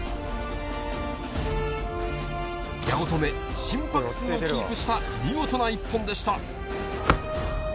八乙女、心拍数をキープした見事な一本でした。